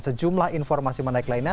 sejumlah informasi menarik lainnya